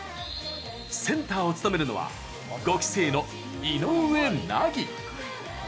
センターを務めるのは５期生の井上和。